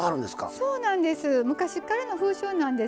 そうなんです。